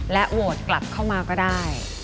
โหวตกลับเข้ามาก็ได้